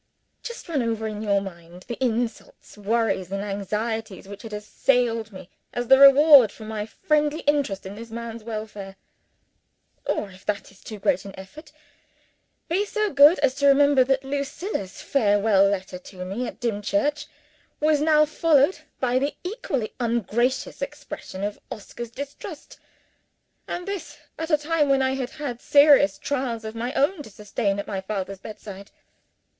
Just run over in your mind the insults, worries, and anxieties which had assailed me, as the reward for my friendly interest in this man's welfare. Or, if that is too great an effort, be so good as to remember that Lucilla's farewell letter to me at Dimchurch, was now followed by the equally ungracious expression of Oscar's distrust and this at a time when I had had serious trials of my own to sustain at my father's bedside.